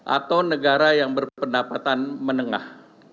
atau negara yang berpendapatan menengah